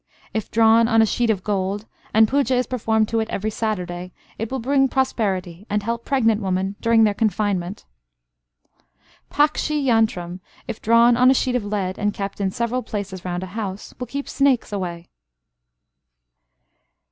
If drawn on a sheet of gold, and puja is performed to it every Saturday, it will bring prosperity, and help pregnant women during their confinement. Pakshi yantram, if drawn on a sheet of lead, and kept in several places round a house, will keep snakes away.